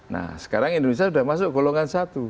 nah sekarang indonesia sudah masuk golongan satu